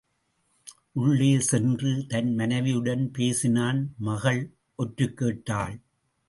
உள்ளே சென்று தன் மனைவியுடன் பேசினான் மகள் ஒற்றுக்கேட்டாள்.